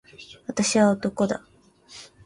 私は男だ。